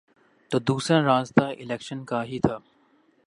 تو دوسرا راستہ الیکشن کا ہی تھا۔